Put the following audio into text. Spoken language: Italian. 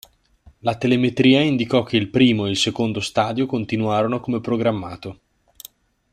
La telemetria indicò che il primo e il secondo stadio continuarono come programmato.